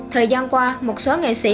thời gian qua một số nghệ sĩ